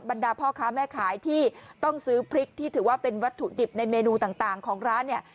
บรรดาพ่อค้าแม่ขายที่ต้องซื้อพริกที่ถือว่าเป็นวัตถุดิบในเมนูต่างของร้านเนี่ย